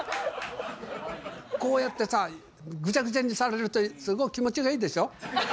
こうやってさ、ぐちゃぐちゃにされるとすごい気持ちがいいでしょ。